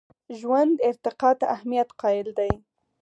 ژوند ارتقا ته اهمیت قایل دی.